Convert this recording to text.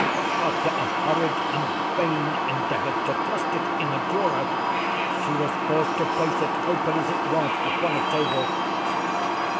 After a hurried and vain endeavor to thrust it in a drawer, she was forced to place it, open as it was, upon a table.